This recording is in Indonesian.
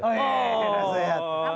heeeh udah sehat